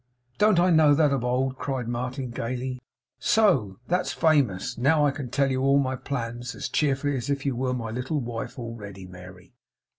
Don't I know that of old?' cried Martin, gayly. 'So! That's famous! Now I can tell you all my plans as cheerfully as if you were my little wife already, Mary.